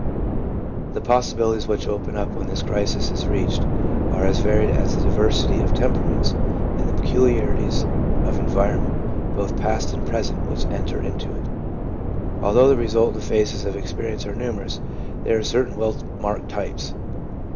The possibilities which open up when this crisis is reached are as varied as the diversity of temperaments and the peculiarities of environment, both past and present, which enter into it. Although the resultant phases of experience are numerous, there are certain well marked types.